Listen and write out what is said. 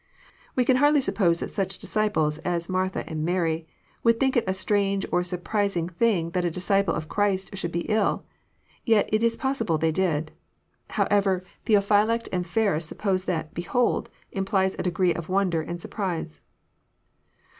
We can hardly suppose that such disciples as Martha and Mary would think it a strange or surprising thing that a disciple of Christ should be ill; yet it is possible they did. However, Theophylact and Ferns suppose that "Behold" implies a degree of wonder and surprise.